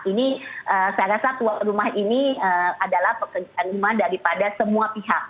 ini saya rasa tuan rumah ini adalah pekerjaan rumah daripada semua pihak